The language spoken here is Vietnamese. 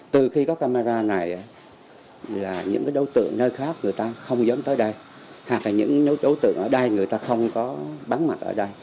từ khi có camera này là những đối tượng nơi khác người ta không dám tới đây hoặc là những đối tượng ở đây người ta không có bắn mặt ở đây